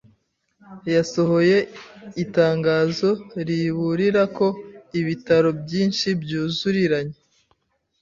yasohoye itangazo riburira ko ibitaro byinshi "byuzuriranye